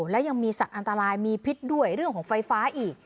และยังมีสัตว์อันตรายมีพิษด้วยเรื่องของไฟฟ้าอีก